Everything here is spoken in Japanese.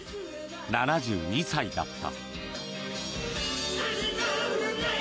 ７２歳だった。